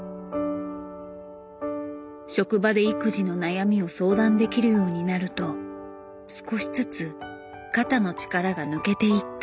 職場で育児の悩みを相談できるようになると少しずつ肩の力が抜けていった。